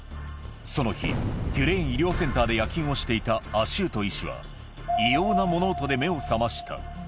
その日、テュレーン医療センターで夜勤をしていたアシュート医師は、異様な物音で目を覚ました。